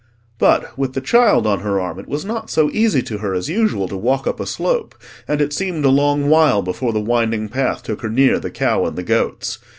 But, with the child on her arm, it was not so easy to her as usual to walk up a slope, and it seemed a long while before the winding path took her near the cow and the goats.